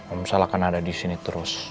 om sal akan ada disini terus